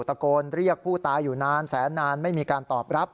ตะโกนเรียกผู้ตายอยู่นานแสนนานไม่มีการตอบรับ